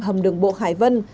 hầm đường bộ hải vân